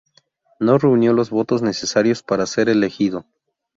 No reunió los votos necesarios para ser elegido.